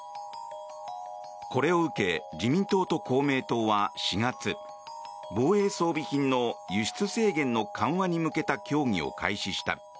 これを受け自民党と公明党は４月防衛装備品の輸出制限の緩和に向けた協議を開始した。